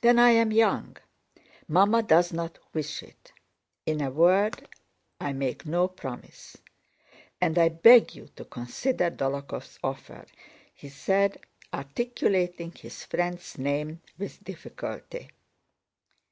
Then I am young. Mamma does not wish it. In a word, I make no promise. And I beg you to consider Dólokhov's offer," he said, articulating his friend's name with difficulty.